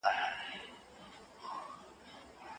توليدي سکتورونو له مودو راهيسې لازم حاصلات نه وو ورکړي.